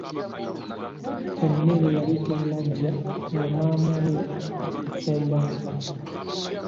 Emmere yali tennaggya, nga maama we afumba nva.